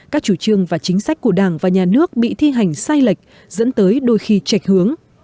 các chủ trương và chính sách của đảng và nhà nước bị thi hành sai lệch dẫn tới đôi khi chạch hướng